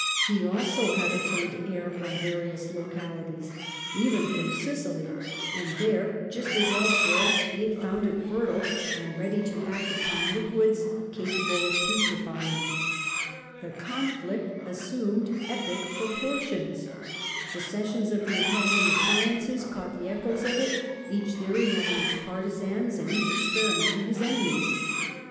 He also had obtained air from various localities, even from Sicily, and there, just as elsewhere, he had found it fertile, and ready to act upon liquids capable of putrefying. The conflict assumed epic proportions. The ses sions of the Academy of Sciences caught the echoes of it, each theory having its partizans, and each experimenter his enemies.